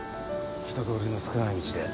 人通りの少ない道で。